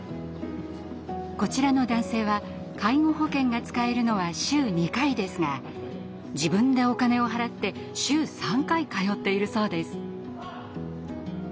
こちらの男性は介護保険が使えるのは週２回ですが自分でお金を払って週３回通っているそうです。